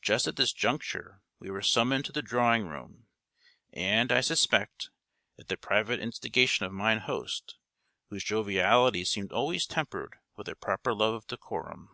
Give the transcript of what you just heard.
Just at this juncture we were summoned to the drawing room, and, I suspect, at the private instigation of mine host, whose joviality seemed always tempered with a proper love of decorum.